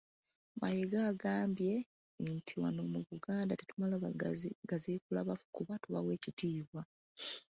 Mayiga agambye niti wano mu Buganda tetumala gaziikula bafu kuba tubawa ekitiibwa.